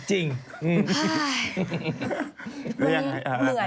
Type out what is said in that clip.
เหนื่อย